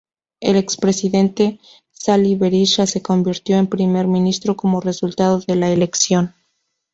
El expresidente Sali Berisha se convirtió en primer ministro como resultado de la elección.